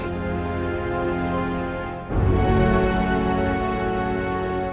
aku berharap kau akan menangkapku